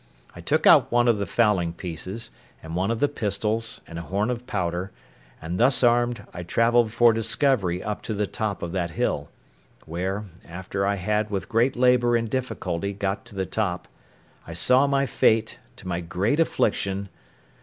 I took out one of the fowling pieces, and one of the pistols, and a horn of powder; and thus armed, I travelled for discovery up to the top of that hill, where, after I had with great labour and difficulty got to the top, I saw my fate, to my great affliction—viz.